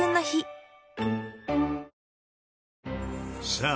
さあ